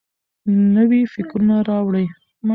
نوي فکرونه راوړئ.